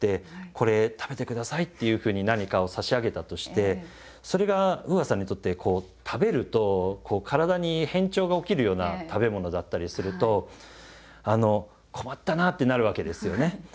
「これ食べてください」っていうふうに何かを差し上げたとしてそれがＵＡさんにとって食べると体に変調が起きるような食べ物だったりすると「困ったな」ってなるわけですよね。